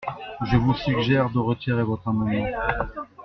Je vous suggère de retirer votre amendement.